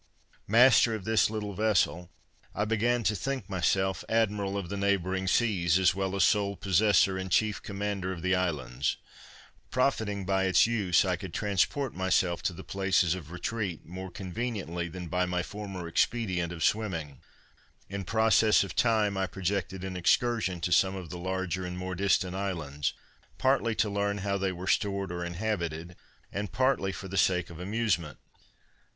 Master of this little vessel, I began to think myself admiral of the neighboring seas, as well as sole possessor and chief commander of the islands. Profiting by its use, I could transport myself to the places of retreat more conveniently than by my former expedient of swimming. In process of time, I projected an excursion to some of the larger and more distant islands, partly to learn how they were stored or inhabited, and partly for the sake of amusement.